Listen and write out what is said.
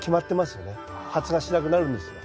発芽しなくなるんですよ。